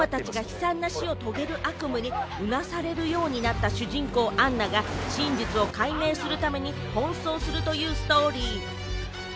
映画は仲間たちが悲惨な死を遂げる悪夢にうなされるようになった主人公・アンナが真実を解明するために奔走するというストーリー。